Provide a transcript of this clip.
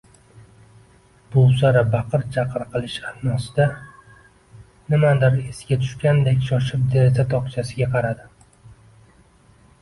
Buvsara baqir-chaqir qilish asnosida nimadir esiga tushgandek, shoshib deraza tokchasiga qaradi